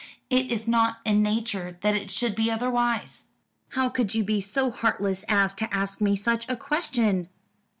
It is not in nature that it should be otherwise. How could you be so heartless as to ask me such a question?"